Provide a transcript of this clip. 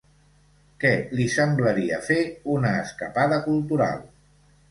Què li semblaria fer una escapada cultural?